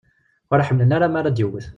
Ur ḥemmlen ara mi ara d-yewwet.